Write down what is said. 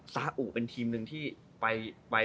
ซาอุเป็นทีมหนึ่งที่ไป